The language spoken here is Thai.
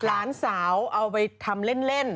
หลานสาวเอาไปทำเล่น